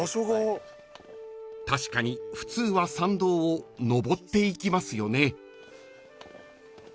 ［確かに普通は参道をのぼっていきますよね］